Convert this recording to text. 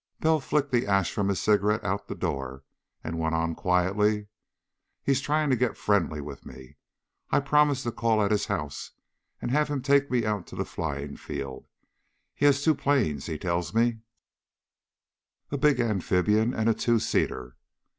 Bell flicked the ash from his cigarette out the door, and went on quietly. "He's trying to get friendly with me. I've promised to call at his house and have him take me out to the flying field. He has two planes, he tells me, a big amphibian and a two seater.